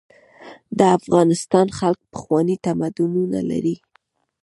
د افغانستان خلک پخواني تمدنونه لري.